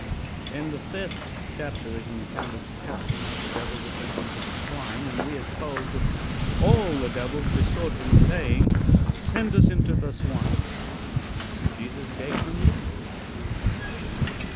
'" In the fifth chapter is an account of casting out the devils that went into the swine, and we are told that "all the devils besought him saying, 'Send us into the swine.' And Jesus gave them leave."